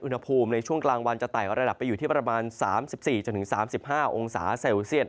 อุณหภูมิในช่วงกลางวันจะไต่ระดับไปอยู่ที่ประมาณ๓๔๓๕องศาเซลเซียต